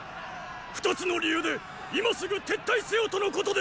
二つの理由で今すぐ撤退せよとのことです！